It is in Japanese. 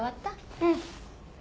うん。